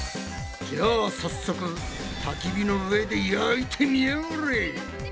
じゃあ早速たき火の上で焼いてみやがれ！